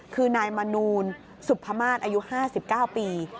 คือนายมนูลสุภามาศอายุ๕๙ปี